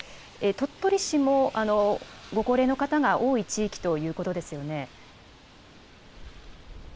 鳥取市もご高齢の方が多い地域ということですよね。